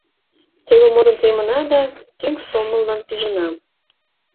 — Теве модын темына да тӱҥ сомыллан пижына...